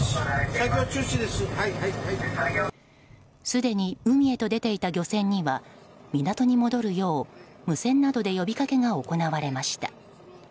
すでに海へと出ていた漁船には港に戻るよう無線などで呼びかけが行われました。